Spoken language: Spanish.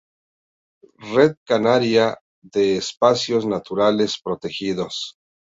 Red Canaria de Espacios Naturales Protegidos